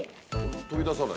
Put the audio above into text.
飛び出さない。